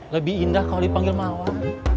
lebih indah kalau dipanggil malam